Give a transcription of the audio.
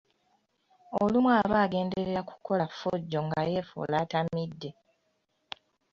Olumu aba agenderera kukola ffujjo nga yeefuula atamidde.